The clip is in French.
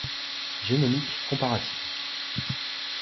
Génomique comparative.